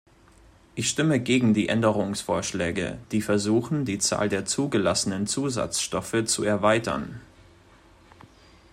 Ich stimme gegen die Änderungsvorschläge, die versuchen, die Zahl der zugelassenen Zusatzstoffe zu erweitern.